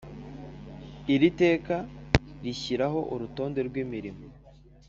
Iri teka rishyiraho urutonde rw imirimo